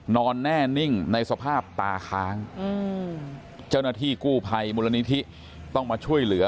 นอนแน่นิ่งในสภาพตาค้างเจ้าหน้าที่กู้ภัยมูลนิธิต้องมาช่วยเหลือ